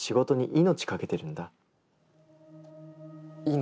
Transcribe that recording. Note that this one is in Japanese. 命。